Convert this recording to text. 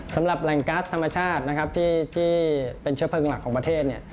สำหรับแรงกัสธรรมชาติที่เป็นเชื้อเพลิงหลักของประเทศ